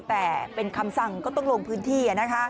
แต่เป็นคำสั่งก็ต้องลงพื้นที่